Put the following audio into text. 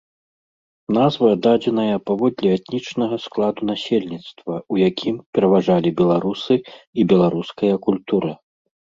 Назва дадзеная паводле этнічнага складу насельніцтва, у якім пераважалі беларусы і беларуская культура.